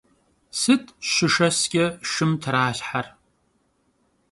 Sıt şışşesç'e şşım tralhher?